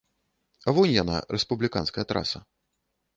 Вунь яна, рэспубліканская траса.